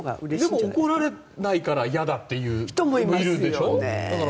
でも怒られないから嫌だという人もいるでしょ。